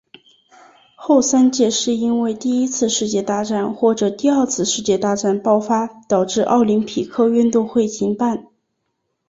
后三届是因为第一次世界大战或者第二次世界大战爆发而导致奥林匹克运动会停办。